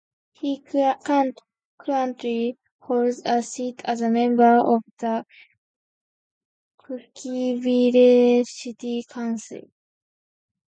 He currently holds a seat as a member of the Cookeville City Council.